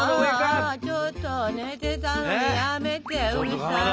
ちょっと寝てたのにやめてうるさい。